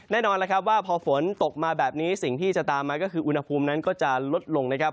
แน่นอนแล้วครับว่าพอฝนตกมาแบบนี้สิ่งที่จะตามมาก็คืออุณหภูมินั้นก็จะลดลงนะครับ